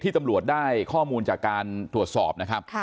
ที่ตำรวจได้ข้อมูลจากการตรวจสอบ